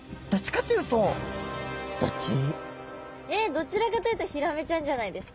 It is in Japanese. このお魚えっどちらかというとヒラメちゃんじゃないですか？